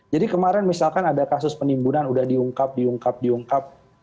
jadi kemarin misalkan ada kasus penimbunan udah diungkap diungkap diungkap